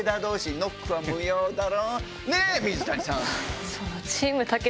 ねぇ水谷さん。